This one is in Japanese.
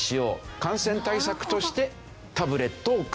感染対策としてタブレットを配った。